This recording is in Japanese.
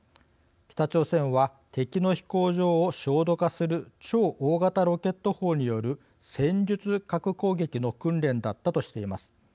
北朝鮮は敵の飛行場を焦土化する超大型ロケット砲による戦術核攻撃の訓練だったとしています。